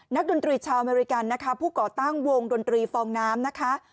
ดนตรีชาวอเมริกันนะคะผู้ก่อตั้งวงดนตรีฟองน้ำนะคะ